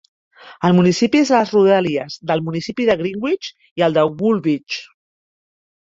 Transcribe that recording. El municipi és a les rodalies del municipi de Greenwich i el de Woolwich.